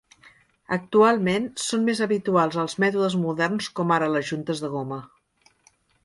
Actualment són més habituals els mètodes moderns com ara les juntes de goma.